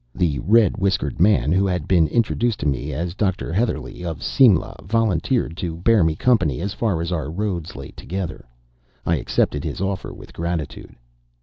The red whiskered man, who had been introduced to me as Doctor Heatherlegh, of Simla, volunteered to bear me company as far as our roads lay together. I accepted his offer with gratitude.